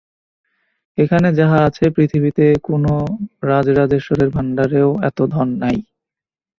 এখানে যাহা আছে পৃথিবীতে কোনো রাজরাজেশ্বরের ভাণ্ডারেও এত ধন নাই।